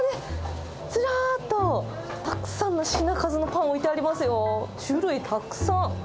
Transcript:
ずらーっと、たくさんの品数のパン、置いてありますよ。